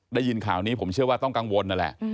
ได้ยินข่าวนี้ผมเชื่อว่าต้องกังวลนั่นแหละ